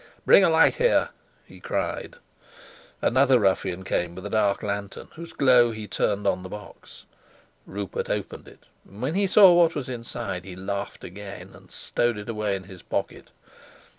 "Bring a light here," he cried. Another ruffian came with a dark lantern, whose glow he turned on the box. Rupert opened it, and when he saw what was inside, he laughed again, and stowed it away in his pocket.